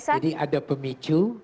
jadi ada pemicu